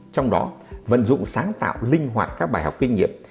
trong đó vận dụng sáng tạo linh hoạt các bài học kinh nghiệm